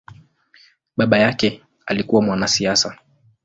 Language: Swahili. Baba yake alikua mwanasiasa.